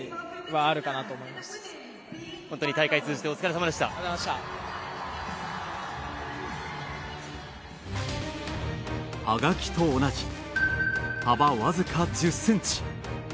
はがきと同じ幅わずか１０ｃｍ。